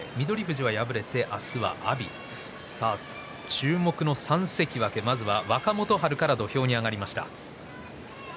注目の３関脇、まずは若元春から土俵に上がりました。